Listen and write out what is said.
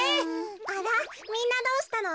あらみんなどうしたの？